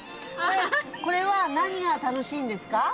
これは何が楽しいんですか？